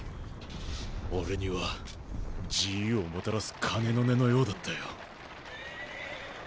俺には自由をもたらす鐘の音のようだったよ。